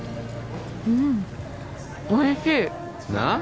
うんおいしいなっ？